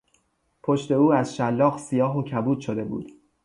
پشت او از شلاق سیاه و کبود شده بود.